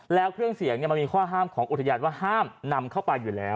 แล้วเครื่องเสียงมันมีข้อห้ามของอุทยานว่าห้ามนำเข้าไปอยู่แล้ว